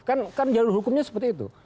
kan jalur hukumnya seperti itu